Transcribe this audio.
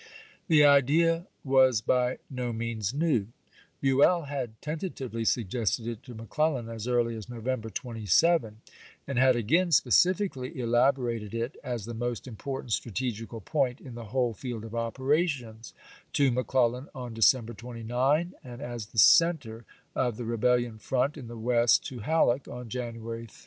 The idea was by no means new. Buell had ten tatively suggested it to McCleUan, as early as No Bueii'to vember 27 ; and had again specifically elaborated Nov. 27 and it " as the most important strategical point in the ^^i ^' whole field of operations " to McClellan on Decem jan^f^^fgS: ber 29, and as the "center" of the rebellion front vol'vil, in the West to HaUeck on January 3.